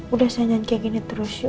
udah sayang kayak gini terus yuk